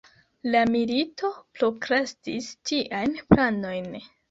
La milito prokrastis tiajn planojn.